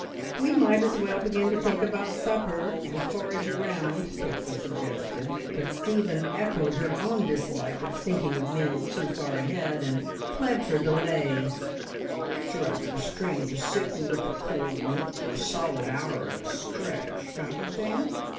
"We might as well begin to think about supper, and forage around," Pixie suggested, but Stephen echoed her own dislike of thinking of meals too far ahead, and pled for delay. "It's rather a strain to sit and look at cold meat for a solid hour at a stretch, don't you think?"